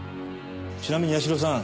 ちなみに社さん。